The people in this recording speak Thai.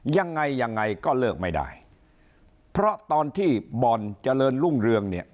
ยังไงยังไงก็เลิกไม่ได้เพราะตอนที่บ่อนเจริญรุ่งเรืองเนี่ย